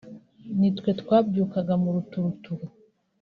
nitwe twabyukaga mu ruturuturu